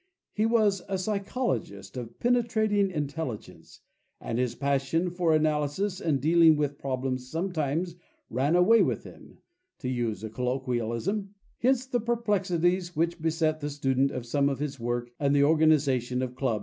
He was a psychologist of penetrating intelligence, and his passion for analysis and dealing with problems sometimes ran away with him, to use a colloquialism; hence the perplexities which beset the student of some of his work and the organization of clubs to interpret him.